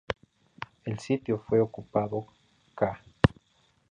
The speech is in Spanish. El sitio fue ocupado ca.